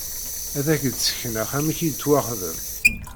Ad ak-d-sekneɣ amek i yettwaxdem.